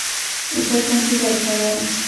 زه کمپیوټر کاروم